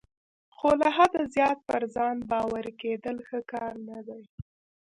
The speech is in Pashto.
خو له حده زیات پر ځان باوري کیدل ښه کار نه دی.